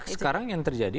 sekarang yang terjadi